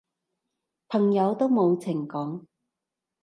朋友都冇情講